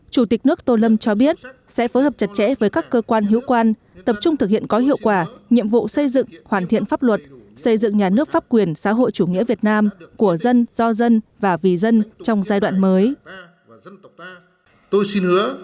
chủ tịch nước tô lâm cho biết sẽ phối hợp chặt chẽ với các cơ quan hiếu quan tập trung thực hiện có hiệu quả nhiệm vụ xây dựng hoàn thiện pháp luật xây dựng nhà nước pháp quyền xã hội chủ nghĩa việt nam của dân do dân và vì dân trong giai đoạn mới